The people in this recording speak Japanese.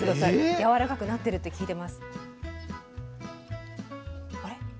やわらかくなってるって聞いてます。